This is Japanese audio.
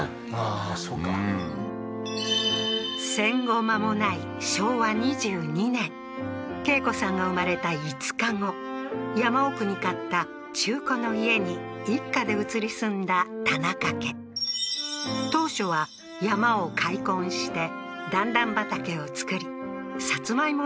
あーそうか戦後間もない昭和２２年恵子さんが生まれた５日後山奥に買った中古の家に一家で移り住んだ田中家当初は山を開墾して段々畑を作りサツマイモ